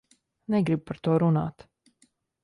Negribu par to runāt.